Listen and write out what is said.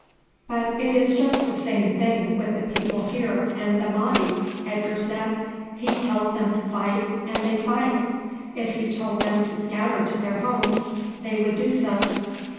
"But it is just the same thing with the people here and the Mahdi," Edgar said; "he tells them to fight, and they fight; if he told them to scatter to their homes they would do so."